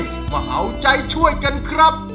มาเอาใจช่วยกันครับ